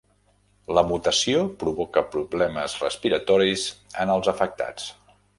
La mutació provoca problemes respiratoris en els afectats.